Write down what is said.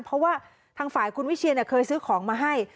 เพราะว่าทางฝ่ายคุณวิเชียนเคยซื้อของมาให้